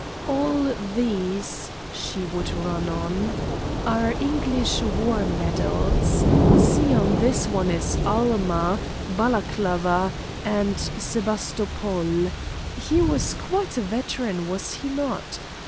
"All these," she would run on, "are English war medals. See, on this one is 'Alma,' 'Balaclava,' and 'Sebastopol.' He was quite a veteran, was he not?